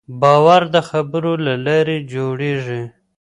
باور د خبرو له لارې جوړېږي.